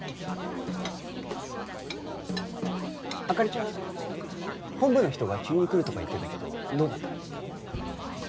灯ちゃん本部の人が急に来るとか言ってたけどどうだったの？